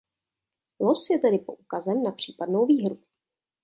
Los je tedy poukazem na případnou výhru.